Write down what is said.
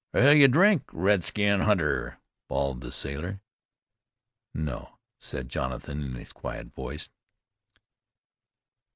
"Will you drink, redskin hunter?" bawled the sailor. "No," said Jonathan in his quiet voice.